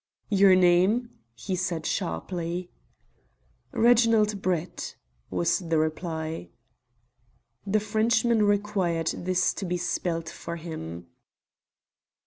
"Your name?" he said sharply. "Reginald Brett," was the reply. The Frenchman required this to be spelt for him.